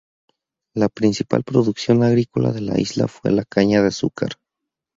La principal producción agrícola de la isla fue la caña de azúcar.